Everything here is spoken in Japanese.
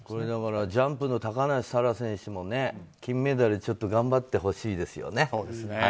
だからジャンプの高梨沙羅選手も金メダルちょっと頑張ってほしいですよね。